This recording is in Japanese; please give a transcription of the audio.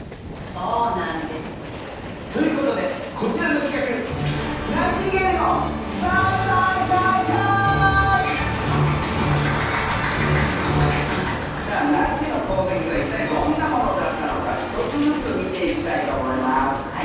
そうなんです。ということでこちらの企画さあなっちの功績が一体どんなものだったのか１つずつ見ていきたいと思います。